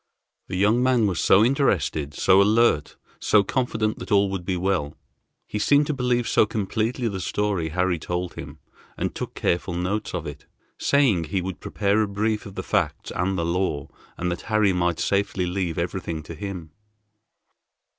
The young man was so interested, so alert, so confident that all would be well. He seemed to believe so completely the story Harry told him, and took careful notes of it, saying he would prepare a brief of the facts and the law, and that Harry might safely leave everything to him.